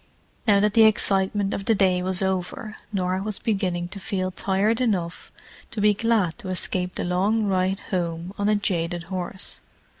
Now that the excitement of the day was over, Norah was beginning to feel tired enough to be glad to escape the long ride home on a jaded horse.